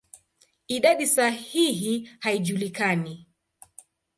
Idadi sahihi haijulikani.